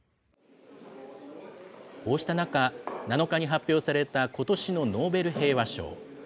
こうした中、７日に発表されたことしのノーベル平和賞。